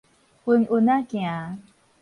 勻勻仔行